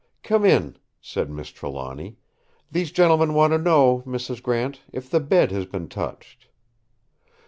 "Come in," said Miss Trelawny. "These gentlemen want to know, Mrs. Grant, if the bed has been touched."